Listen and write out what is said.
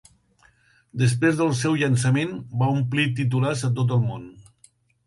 Després del seu llançament, va omplir titulars a tot el món.